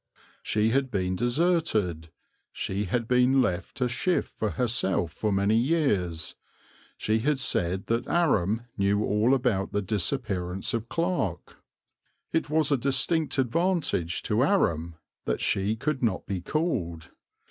She had been deserted, she had been left to shift for herself for many years, she had said that Aram knew all about the disappearance of Clarke. It was a distinct advantage to Aram that she could not be called.